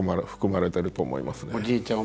おじいちゃん